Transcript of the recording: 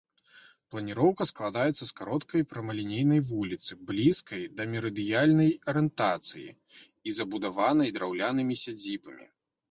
Планіроўка складаецца з кароткай прамалінейнай вуліцы, блізкай да мерыдыянальнай арыентацыі і забудаванай драўлянымі сядзібамі.